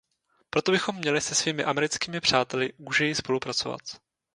Proto bychom měli se svými americkými přáteli úžeji spolupracovat.